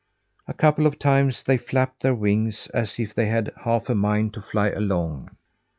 A couple of times they flapped their wings, as if they had half a mind to fly along.